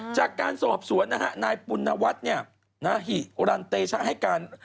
จากการสอบสวนนะฮะนายปุณวัฒน์หิรันเตชะให้การ